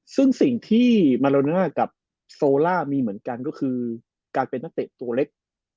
ซึ่งสิ่งที่มาโลน่ากับโซล่ามีเหมือนกันก็คือการเป็นนักเตะตัวเล็ก